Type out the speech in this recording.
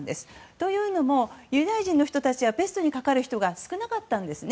というのもユダヤ人の人はペストにかかる人が少なかったんですね。